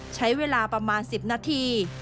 ใช้เวลาประมาณ๑๐นาที